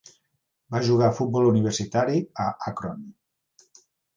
Va jugar a futbol universitari a Akron.